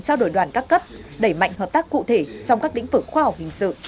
trao đổi đoàn các cấp đẩy mạnh hợp tác cụ thể trong các lĩnh vực khoa học hình sự